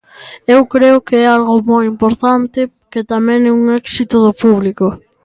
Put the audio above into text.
Eu creo que algo moi importante que tamén é un éxito do público.